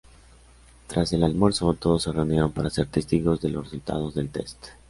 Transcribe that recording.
Tras el almuerzo, todos se reunieron para ser testigos de los resultados del test.